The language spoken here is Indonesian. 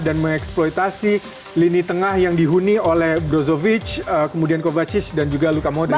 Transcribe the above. dan mengeksploitasi lini tengah yang dihuni oleh brozovic kovacic dan juga luka modric